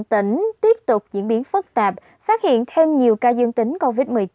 tỉnh tiếp tục diễn biến phức tạp phát hiện thêm nhiều ca dương tính covid một mươi chín